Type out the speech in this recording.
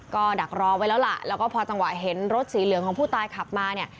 ก็ดักรอไว้แล้วล่ะแล้วก็พอจังหวะเห็นรถสีเหลืองของผู้ตายขับมาเนี่ย